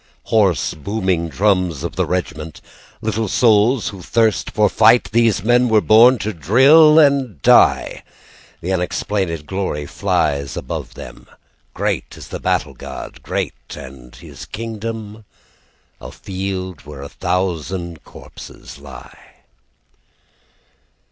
Hoarse, booming drums of the regiment, Little souls who thirst for fight, These men were born to drill and die. The unexplained glory files above them, Great is the battle god, great, and his kingdom A field where a thousand corpses lie.